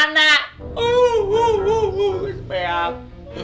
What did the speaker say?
uh uh uh uh sepeak